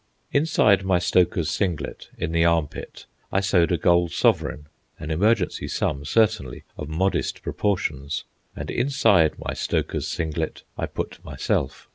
Inside my stoker's singlet, in the armpit, I sewed a gold sovereign (an emergency sum certainly of modest proportions); and inside my stoker's singlet I put myself.